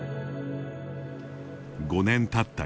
５年たった